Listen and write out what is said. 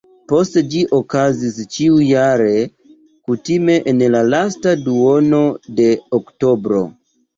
Poste ĝi okazis ĉiujare, kutime en la lasta duono de oktobro.